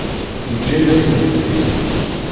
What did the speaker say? Yeǧǧa-yasent-tt-id.